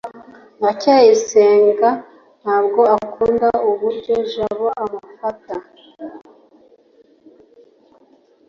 ndacyayisenga ntabwo akunda uburyo jabo amufata